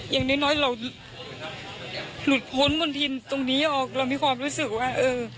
อย่างน้อยเราหลุดพ้นบนทินตรงนี้ออกเรามีความรู้สึกว่าเออ